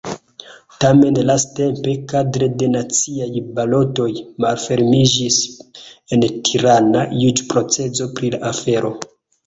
Tamen lastatempe, kadre de naciaj balotoj, malfermiĝis en Tirana juĝproceso pri la afero.